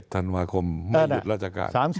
๓๑ธันวาคมหุ้นหยุดราชการ